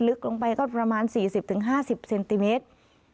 ลึกลงไปก็ประมาณ๔๐๕๐เซนติเมตร